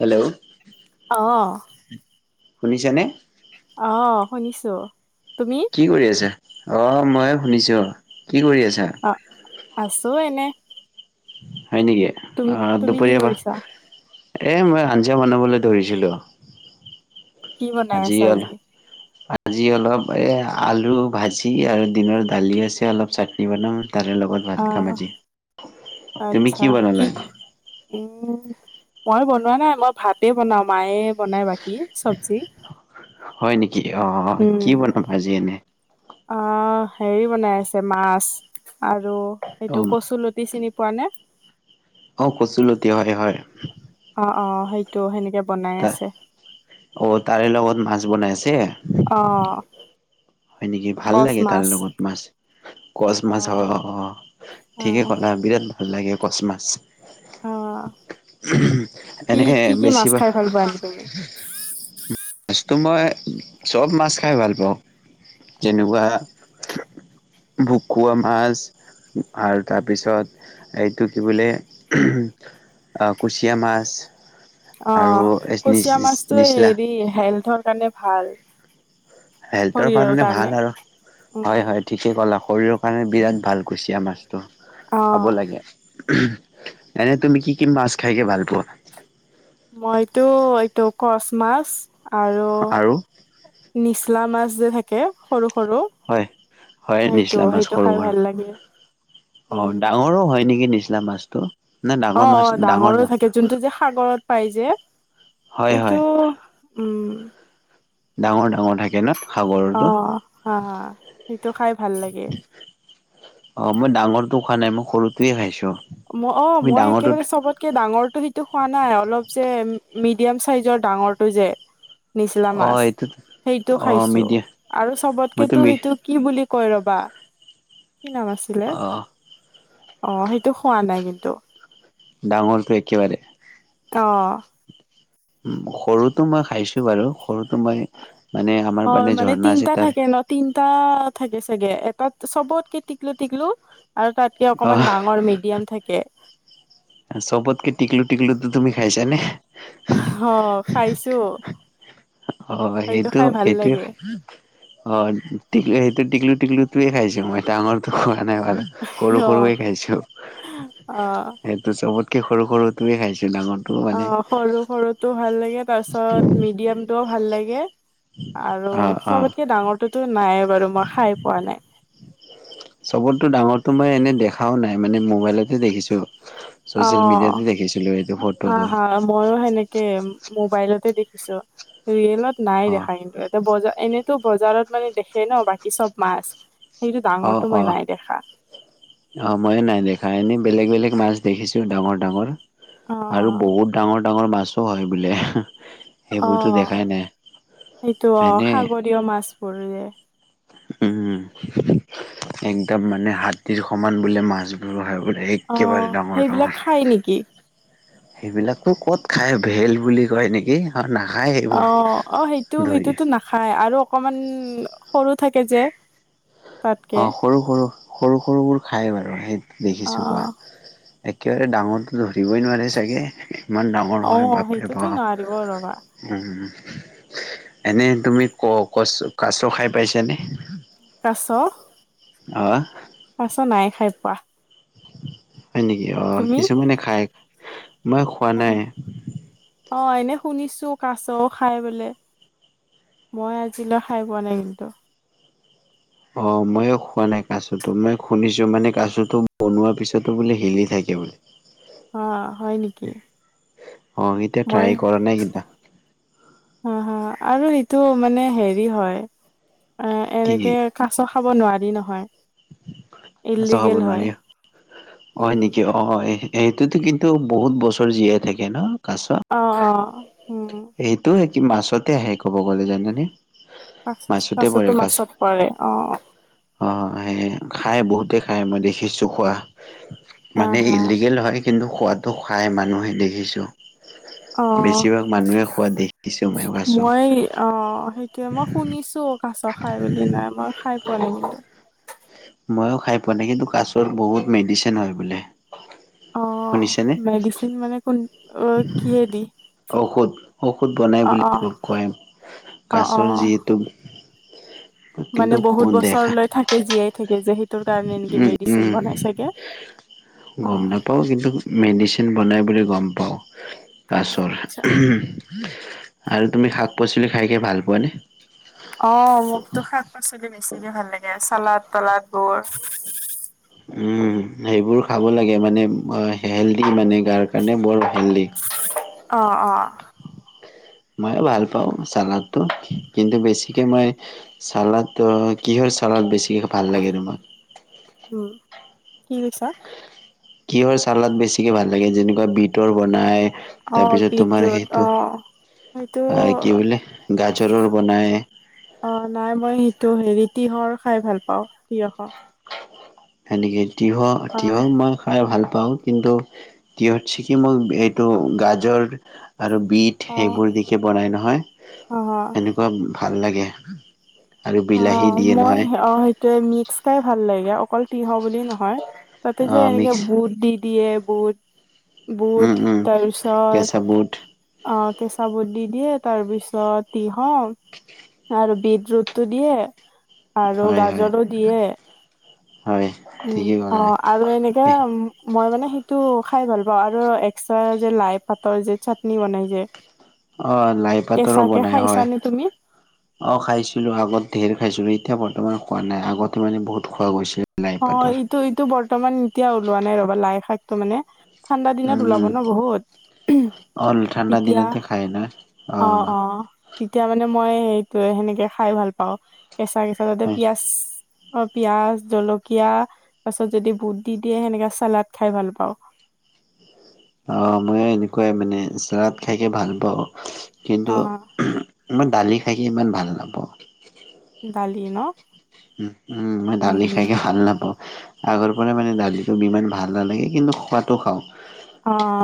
Hello? অ'! শুনিছেনে? অ'! শুনিছোঁ। তুমি? কি কৰি আছা? অ'! মইয়ো শুনিছোঁ, কি কৰি আছা? অ'! আছোঁ এনে। হয় নেকি? তুম অ'! তুমি কি দুপৰীয়া বা কৰিছা এ, মই আঞ্জা বনাবলৈ ধৰিছিলোঁ। কি [unintelligible] বনাই আছা আজি, অলপ এ, আলু ভাজি আৰু দিনৰ দালি আছে, অলপ চাটনি বনাম, তাৰে লগত। ভাট খাম আহ আজি। তুমি কি বনালা? উম! মই বনোঁৱা নাই। মই ভাতে বনাওঁ, মায়ে বনাই বাকী। চব্জি [inaudible] হয় নেকি? অ'! কি বনাবা আজি এনে? অ'! হেৰি বনাই আছে, মাছ আৰু এইটো, অ' কচুলতি চিনি পোৱানে? অ'! কচুলতি হয়, হয়। অ' অ'! সেইটো সেনেকে, বনাই [unintelligible] আছে অ'! তাৰে লগত মাছ বনাইছে। অ'! হয় নেকি? ভাল কচ লাগে, তাৰ মাছ লগত মাছ! কচ মাছ, অ' অ'! অ ঠিকে ক'লা, বিৰাট ভাল লাগে, কচ মাছ! অ এনেকে, বেছি বা মানে তুমি? মাছটো মই, চব মাছ খাই ভাল পাওঁ! যেনেকুৱা, ভকুৱা মাছ আৰু তাৰপিছত, এইটো কি বোলে, [unintelligible] আঁ কুচিয়া মাছ। আৰু অ'! কুচিয়া মাছটো নিচলা হেৰি, হেল্থৰ কাৰণে ভাল! হেল্থৰ কাৰণে ভাল আৰু! উম হয়, হয়। ঠিকেই ক'লা! শৰীৰৰ কাৰণে, বিৰাট ভাল কুচিয়া মাছটো! অ খাব লাগে। [unintelligible] এনে, তুমি কি কি মাছ খাইকে ভাল পোৱা? মইতো, এইটো কচ মাছ আৰু নিচলা মাছ যে থাকে, সৰু-সৰু। হয়, হয়, নিচলা মাছ সৰু-সৰু। ভাল লাগে উম অ'! ডাঙৰো হয় নেকি, নিচলা মাছটো? নে ডাঙৰ অ' মাছ অ'! ডাঙৰ ডাঙৰো নহয় থাকে, যোনটো যে, সাগৰত পাই যে। হয় হয় এইটো, উম! ডাঙৰ- ডাঙৰ থাকে, ন'? সাগৰৰটো অ' অ'! সেইটো খাই ভাল লাগে! অ'! মই ডাঙৰটো খোৱা নাই, মই সৰুটোৱে খাইছোঁ। অ'! মই একেবাৰে, চবতকে ডাঙৰটো এইটো খোৱা নাই, অলপ যে, মিডিয়াম চাইজৰ ডাঙৰটো যে। নিচলা অ মাছ, এইটো সেইটো অ খাইছোঁ। মিডিয়া আৰু মই চবতকেতো, তুমি সেইটো কি বুলি কয় ৰ'বা। কি নাম আছিলে? অ অ'! সেই সেইটো খোৱা নাই কিন্তু। ডাঙৰটো একেবাৰে। অ'! সৰুটো মই খাইছোঁ বাৰু সৰুটো মই মানে, আমাৰ অ মানে, ঝৰ্ণা আছে তিনটা থাকে তাত। ন তিনটা থাকে, চাগে। এটাত, চবতকে টিকলো- টিকলো! আৰু তাতকে, অ অকমান ডাঙৰ, মিডিয়াম থাকে। চবতকে, টিকলো-টিকলো তুমি খাইছানে? অ'! খাইছোঁ। অ' সেইটো লাগে সেইটোৱে অ' টিকুলোঁ সেইটো টিকলোঁ টোৱে খাইছো মই এ ডাঙৰটো খোৱা নাই বাৰু। সৰু অ সৰুৱে খাইছো। অ'। সেইটো চবতকে সৰু সৰুটোৱে খাইছো। ডাঙৰত অ' সৰু সৰুটো ভাল লাগে তাৰপিছত মিডিয়ামটোও ভাল লাগে আৰু অ অ চবতকে ডাঙৰটোতো নাই বাৰু মই খাই পোৱা নাই। চবতকৈ ডাঙৰটো মই এনে দেখাও নাই মানে মোবাইলতে দেখিছো। চ'চিয়েল মিডিয়াতে দেখিছিলো এইটো ফটোটো। ময়ো সেনেকে মোবাইলতে দেখিছো ৰিয়েলত নাই অ দেখা কিন্তু। বজাৰ এনেতো বজাৰত মানে দেখে ন বাকী চব মাছ। সেইটো অ ডাঙৰটো অ মই নাই দেখা। অ' ময়ো নাই দেখা, এনেই বেলেগ বেলেগ মাছ দেখিছো ডাঙৰ ডাঙৰ। অ আৰু বহুত ডাঙৰ ডাঙৰ মাছো হয় বোলে। সেইবোৰতো অ' দেখাই নাই। সেইটো অ' এনে সাগৰীয় মাছবোৰ যে উম একদম মানে হাতীৰ সমান বোলে মাছবোৰ। অ একেবাৰে ডাঙৰ সেইবিলাক ডাঙৰ। খাই নেকি সেইবিলাকো ক'ত খায় হোৱেল বুলি কয় নেকি? আৰু নাখায় সেইবোৰ ধৰি। খায়। আৰু অকমান সৰু থাকে যে তাতকে অ' সৰু সৰু সৰু সৰুবোৰ খায় বাৰু, সেই অ দেখিছোঁ খোৱা। একেবাৰে ডাঙৰটো ধৰিবই নোৱাৰে চাগে ইমান ডাঙৰ অ হয় বাপৰে সেইটোতো নোৱাৰিব ৰবা বাপ। উ এনে তুমি ক কছ কাছ খাই পাইছা নে? কাছ? অ'। কাছ নাই খাই পোৱা। হয় নেকি অ' তুমি কিছুমানে খায়, মই খোৱা অ নাই। অ' এনেই শুনিছো কাছও খাই বোলে? মই আজিলৈ খাই পোৱা নাই কিন্তু। অ' ময়ো খোৱা নাই কাছটো, মই শুনিছো মানে কাছটো বনোৱা পিছতো বোলে হিলি থাকে বোলে। অ হয় নেকি অ' এতিয়া ট্ৰাই কৰা নাই কিন্তু। অ' হ আৰু সেইটো মানে হেৰি হয় অ' কি এনেকে কাছ খাব নোৱাৰি নহয়। কাছ খাব ইলিগেল হয় নোৱাৰি, অ' উম নেকি অ'। অঁ সেইটোতো কিন্তু বহুত বছৰ জীয়াই থাকে ন কাছ? অ', অ', উম। সেইটো কি মাছতে আহে ক'ব গ'লে জানানে। মাছতে কাছটো পৰে কাছ। মাছত পৰে অ'। অ' সে খাই বহুতে খাই মই দেখিছো খোৱা। হা মানে হা ইলিগেল হয়। কিন্তু খোৱাতটো খাই মানুহে, দেখিছো অ বেছিভাগ মানুহে খোৱা দেখিছো। মই কাছ মই অ' সেইটোয়ে মই শুনিছো কাছ খাই বুলি। নাই মই খাই পোৱা নাই কিন্তু। ময়ো খাই পোৱা নাই কিন্তু, কাছৰ বহুত মেডিচিন হয় বোলে। অ' শুনিছেনে মেডিচিন মানে কোন অ' কিহে দি? ঔষধ। ঔষধ বনাই বুলি কয়, অ কাছৰ অ যিহেতু কিন্তু মানে বহুত দেখা বছৰলৈ থাকে কে জীয়াই থাকে যে সেইটোৰ কাৰণে নেকি উম মেডিচিন উম বনাই চাগে? অ' পাওঁ, কিন্তু মেডিচিন বনাই বুলি গ'ম পাওঁ কাছৰ। আচ্ছা আৰু তুমি শাক পাচলি খাইকে ভাল পোৱানে? অ' মোকতো শাক পাচলি বেছিকে ভাল লাগে। চালাদ তালাদ বোৰ সেইবোৰ খাব লাগে, মানে হেল্ডি মানে গাৰ কাৰণে বৰ হেল্ডি। অ', অ'। ময়ো ভাল পাওঁ চালাডটো, কিন্তু বেছিকে মই চালাডটো কি হয়, চালাড বেছিকৈ ভাল লাগে তোমাক। উম, কি কৈছা? কি হয় চালাদ বেছিকে ভাল লাগে, যেনেকুৱা বিটৰ বনাই অ তাৰপিছত তোমাৰ বিটৰুট অ সেইটো, সেইটো আহ কি বোলে গাজৰৰ বনাই অ', নাই মই সেইটো হেৰি, তিঁয়হৰ খাই ভাল পাওঁ, তিয়ঁহৰ। সেনেকে, তিয়ঁহ, অ তিয়ঁহ মই খাই ভাল পাওঁ, কিন্তু তিয়ঁতছেকি মোক এইটো গাজৰ, আৰু বিট অ সেইবোৰ দেখি বনাই নহয়, অ এনেকুৱা ভাল লাগে। আৰু বিলাহী অ', দিয়ে মই নহয় অ', সেইটোৱে, মিক্স খাই ভাল লাগে অকল তিয়ঁহ বুলি নহয়। তাতে যে, অ' এনেকে মিক্স বুট দি দিয়ে, বুট। বুট, উম, উম, তাৰপিছত কেঁচা বুট অ', কেঁচা বুট দি দিয়ে, তাৰপিছত তিয়ঁহ আৰু বিট ৰোট টো দিয়ে হয়, হয়, দিয়ে হয়। উম, ঠিকেই ক'লা। অ'। আৰু এনেকে মই মানে সেইটো খাই ভাল পাওঁ, আৰু এক্সট্ৰা যে লাই পাতৰ যে নি বনাই যে। আহ, লাই পাতৰো কেঁচাকে বনাই হয়। খাইছানে তুমি অ', খাইছিলোঁ, আগত ধেৰ খাইছিলোঁ, এতিয়া বৰ্তমান খোৱা নাই, আগতে মানে বহুত খোৱা গৈছিল। লাই অ', পাতৰ। এইটো, এইটো বৰ্তমান এতিয়া ওলোৱা নাই ৰ'বা, লাই শাকটো মানে। ঠাণ্ডা দিনত উম, ওলাব ন' বহুত, অ' ঠাণ্ডা তেতিয়া দিনতে খায় ন'। অ', অ', তেতিয়া মানে মই সেইটোৱে, সেনেকে খাই ভাল পাওঁ, কেঁচা কেচাঁ। তাতে হয়। পিয়াঁজ অ', পিয়াজ জলকীয়া তাৰ পাছত যদি বুট দি দিয়ে, সেনেকা চালাড খাই ভাল পাওঁ। অ', ময়ো এনেকুৱাই মানে, চালাড খাই, খাই ভাল পাওঁ, কিন্তু অ মই দালি খাই ইমান ভাল নাপাওঁ। দালি ন'? উম, মই দালি উম খাইকে ভাল নাপাওঁ। আগৰ পৰাই মানে দালিটো ইমান ভাল নালাগে, কিন্তু খোৱাতো খাওঁ।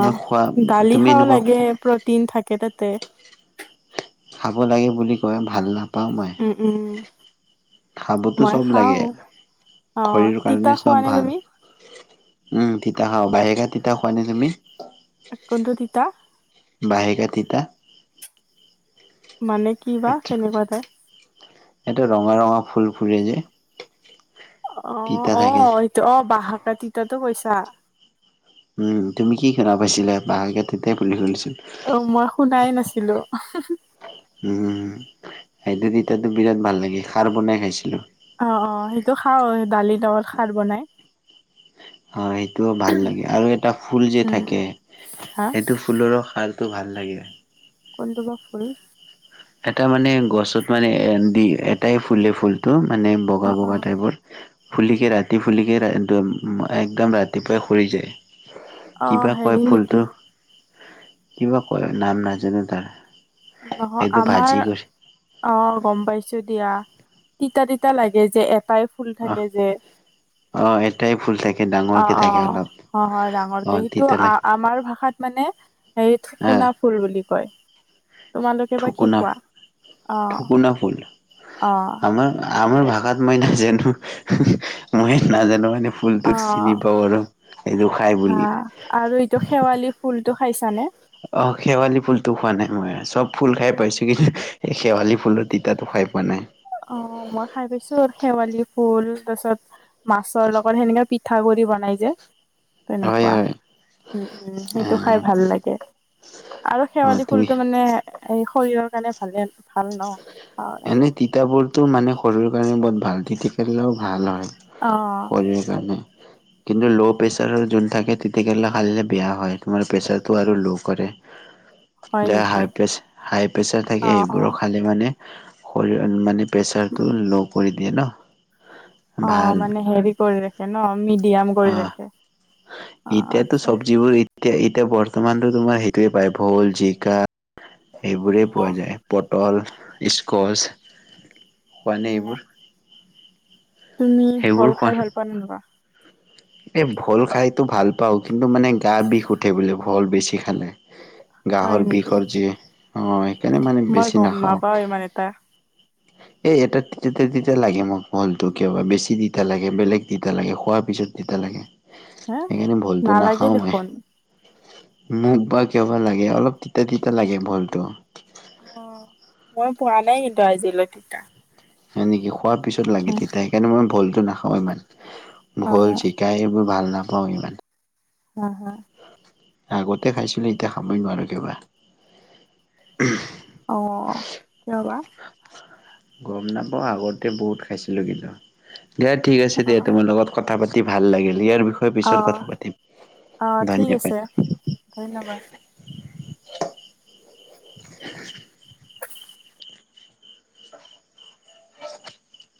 ন খোৱা দালি তুমি খাব এনেকুৱা লাগে, প্ৰটিন থাকে তাতে। খাব লাগে বুলি কয়, ভাল নাপাওঁ মই। উম উম। খাবটো মই চব লাগে, খাও অ শৰীৰৰ তিতা কাৰণে খোৱা চব নে ভাল। তুমি উম, তিতা খা বাহেকা [unintelligible] তিতা খোৱা নে তুমি? কোনটো তিতা? বহেকা [unintelligible] তিতা। মানে কি বা কেনেকুৱা টাইপ? এইটাে ৰঙা, ৰঙা ফুল ফুুলে যে। অ', তিতা থাকে যে। অ', এইটো অ', বাহ কটিটো কৈছা। উম, তুমি কি শুনা পাইছিলাঁ, বাহ কাটিতে বুলি [unintelligible] অ', মই শুনাই নাছিলো। উম, সেইটো তেতাটো বিৰাট ভাল লাগে, খাৰ বনাই খাইছিলোঁ। অ', অ', সেইটো খাওঁ, দালি লগত খাৰ বনাই। হয়, সেইটোও ভাল লাগে, আৰু এটা ফুল যে উম থাকে, হা সেইটো ফুলৰো ভাল ভাল লাগে। কোনটো বা খুলিম? [unintelligible] এটা মানে গছত মানে এণ্ডি এটাই ফুলে ফুলটো মানে বগা অ অ বগা টাইপৰ, ফুলিকে ৰাতি ফুলিকে এক-একদম ৰাতিপুৱাই সৰি যায়। অ কিবা কয় হেৰি নেকি ফুলটো, কিবা কয়, নাম নাজানো তাৰ। নহয় এইটো ভাজি আমাৰ কৰি অ' গম পাইছোঁ দিয়া, তিতা তিতা লাগে যে, এটাই ফুল অহ থাকে যে। অহ এটাই ফুল থাকে ডাঙৰকে অ', থাকে অ', অলপ অ' হয় অহ ডাঙৰকে, সেইটো তিতা লাগে আ-আমাৰ ভাষাত মানে হেই আহ ঠুকুনা ফুল বুলি কয়। তোমালোকে বা কি ঠুকুনা, কোৱা অ ঠুকুনা ফুল? অ'। আমাৰ আমাৰ ভাষাত মই নাজানো, মই নাজানো মানে অ ফুলটোত চিনি পাওঁ আৰু সেইটো খাই হা বুলি। আৰু এইটো শেৱালি ফুলটো খাইছানে? অ' শেৱালি ফুলটো খোৱা নাই, মই চব ফুল খাই পাইছোঁ কিন্তু এই শেৱালি ফুলৰ তিতাটো খাই পোৱা নাই। অ' মই খাই পাইছোঁ আৰু শেৱালি ফুল তাৰপিছত মাছৰ লগত সেনেকাে পিঠা গুৰি বনাই যে হয় তেনেকুৱা হয় উম, উম, সেইটো খাই ভাল লাগে। আৰু অ শেৱালি তুমি ফুলটো মানে এই শৰীৰৰ কাৰণে ভালে ভাল ন'? খাব লাগে এনে তিতাবোৰতো মানে শৰীৰৰ কাৰণে বহুত ভাল, তিতি খালেও ভাল হয়। অ'। মানে সেইকাৰণে। কিন্তু ল' প্ৰেছাৰৰ যোন থাকে তিতা গলে খাই দিলে বেয়া হয়, তোমাৰ প্ৰেছাৰটো আৰু ল' কৰে। [inaudible] হয় যাৰ নেকি হাই হাই প্ৰেচাৰ অ থাকে অ সেইবোৰ খালে মানে শৰীৰৰ মানে প্ৰেছাৰটো ল' কৰি দিয়ে ন'। অ' ভাল মানে হেৰি কৰি ৰাখে ন' মিডিয়াম অ কৰি ৰাখে, অ' এতিয়াতো আচ্ছা। চব্জিবোৰ এতিয়া এতিয়া বৰ্তমানতো তোমাৰ সেইটোৱে পাই ভোল, জিকা সেইবোৰে পোৱা অ যায়। পটল, স্কচ খোৱানে এইবোৰ? তুমি সেইবোৰ ভল খোৱা খাই ভাল পোৱানে নোপোৱা? এই ভোল খাইতো ভাল পাওঁ কিন্তু মানে গা বিষ উঠে বোলে ভল বেছি খালে। হয় গাহৰ নেকি বিষৰ যি অ' সেইকাৰণে মানে বেছি নাখাওঁ। পা এ, এটা তিতা তিতা লাগে মোক ভোলটো কিয় বা, বেছি তিতা লাগে, বেলেগ তিতা লাগে খোৱাৰ পিছত তিতা লাগে, হে সেইকাৰণি ভোলটো নালাগে নাখাওঁ মই। দেখোন মোক বা কিয় বা লাগে, অলপ তিতা তিতা লাগে ভোলটো। অ' মই পোৱা নাই কিন্তু আজিলৈ তিতা। হয় নেকি? খোৱাৰ পিছত অ লাগে তেতিয়া, সেইকাৰণে মই ভোলতটো নাখাও ইমান, ভোল জি কা এইবোৰ ভাল নাপাওঁ ইমান। হা, হা। আগতে খাইছিলোঁ, এতিয়া খাবই নোৱাৰো কিয় বা। অ' কিয় বা? গম নাপাওঁ, আগতে বহুত খাইছিলোঁ কিন্তু, দিয়া ঠিক আছে অ দিয়া, তোমাৰ লগত কথা পাতি ভাল লাগিল, ইয়াৰ বিষয়ে অ পিছত কথা পাতিম, অ ঠিক ধন্যবাদ। আছে ধন্যবাদ। [inaudible]